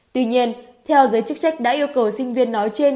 tuy nhiên theo giới chức trách đã yêu cầu sinh viên nói trên